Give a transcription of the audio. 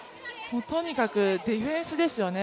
とにかくディフェンスですよね。